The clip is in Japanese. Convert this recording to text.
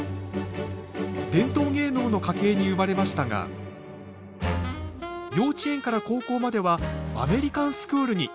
伝統芸能の家系に生まれましたが幼稚園から高校まではアメリカンスクールに。